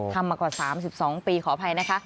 มากว่า๓๒ปีขออภัยนะคะ